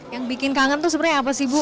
yang bikin kangen tuh sebenarnya apa sih bu